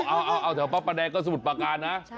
โอ้โหเอาแต่พระประแดงก็สมุดปาการนะ